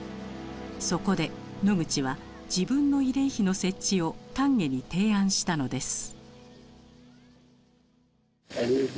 そこでノグチは自分の慰霊碑の設置を丹下に提案したのです。